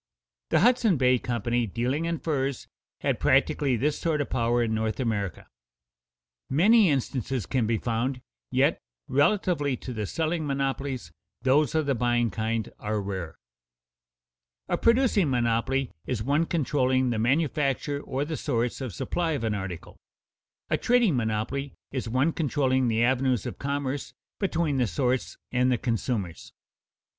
The Hudson Bay Company, dealing in furs, had practically this sort of power in North America. Many instances can be found, yet, relatively to the selling monopolies, those of the buying kind are rare. A producing monopoly is one controlling the manufacture or the source of supply of an article; a trading monopoly is one controlling the avenues of commerce between the source and the consumers.